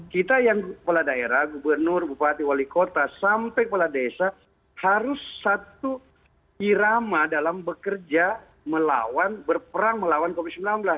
kita yang kepala daerah gubernur bupati wali kota sampai kepala desa harus satu irama dalam bekerja melawan berperang melawan covid sembilan belas